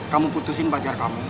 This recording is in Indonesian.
kamu putusin pacar kamu